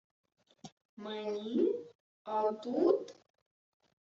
— Мені? А тут?